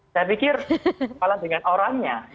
saya pikir kepala dengan orangnya